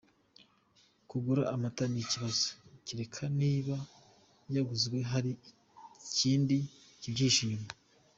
Kugura amata ni ikibazo? Kereka niba yaguzwe hari ikindi kibyihishe inyuma.